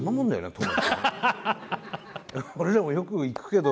俺らもよく行くけど。